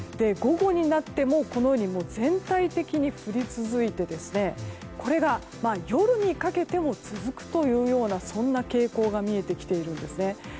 午後になっても全体的に降り続いてこれが夜にかけても続くというそんな傾向が見えてきているんですね。